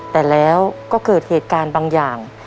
แต่แล้วก็เกิดเหตุการณ์บางอย่าง